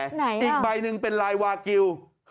ไหนอีกใบหนึ่งเป็นลายวากิล